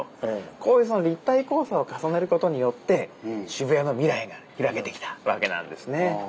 こういう立体交差を重ねることによって渋谷の未来が開けてきたわけなんですね。